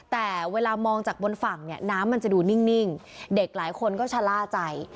แต่เวลามองจากบนฝั่งเนี่ยน้ำมันจะดูนิ่งเด็กหลายคนก็ชะล่าใจ